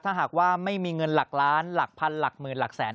ถ้าหากว่าไม่มีเงินหลักล้านหลักพันหลักหมื่นหลักแสน